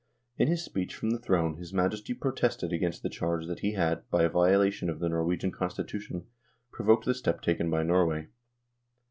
In his speech from the throne his Majesty protested against the charge that he had, by a violation of the Norwegian Constitution, provoked the step taken by Norway.